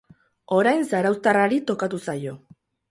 Orain zarauztarrari tokatu zaio.